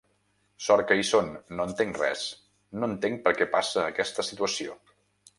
Sort que hi són, no entenc res, no entenc per què passa aquesta situació.